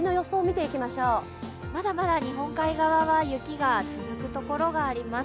まだまだ日本海側は雪が続くところがあります。